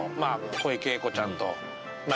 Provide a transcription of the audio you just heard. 小池栄子ちゃんとまあ